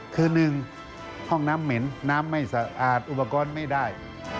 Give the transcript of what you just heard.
คือ๑ห้องน้ำเหม็นน้ำไม่สะอาดอุปกรณ์ไม่ได้